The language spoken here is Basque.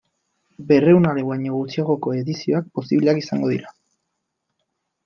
Berrehun ale baino gutxiagoko edizioak posibleak izango dira.